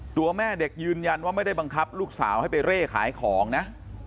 ตัวแม่เด็กยืนยันว่าไม่ได้บังคับลูกสาวให้ไปเร่ขายของนะ